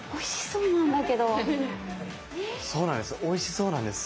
そうなんです。